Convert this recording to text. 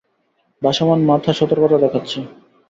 ভাসমান মাথা সতর্কতা দেখাচ্ছে।